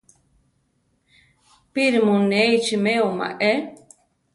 Píri mu ne ichimeo maé?